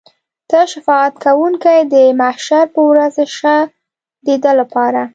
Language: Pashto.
ته شفاعت کوونکی د محشر په ورځ شه د ده لپاره.